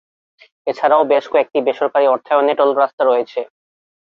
এছাড়াও বেশ কয়েকটি বেসরকারী অর্থায়নে টোল রাস্তা রয়েছে।